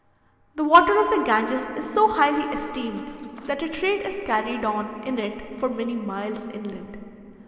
The water of the Ganges is so highly esteemed, that a trade is carried on in it for many miles inland.